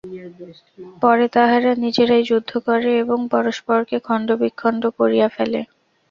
পরে তাহারা নিজেরাই যুদ্ধ করে এবং পরস্পরকে খণ্ডবিখণ্ড করিয়া ফেলে।